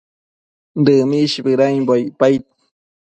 Dëmish bëdambo icpaid